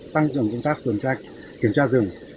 tăng cường công tác tuần tra kiểm tra rừng